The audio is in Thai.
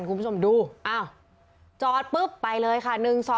คุณผู้ชมดูอ้าวจอดปุ๊บไปเลยค่ะ